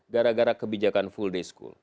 gara gara kebijakan full day school